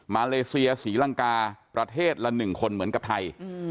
เลเซียศรีลังกาประเทศละ๑คนเหมือนกับไทย